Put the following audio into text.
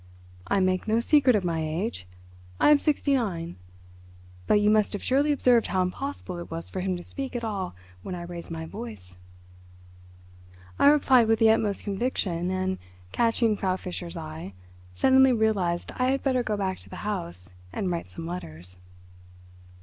I make no secret of my age; I am sixty nine; but you must have surely observed how impossible it was for him to speak at all when I raised my voice." I replied with the utmost conviction, and, catching Frau Fischer's eye, suddenly realised I had better go back to the house and write some letters.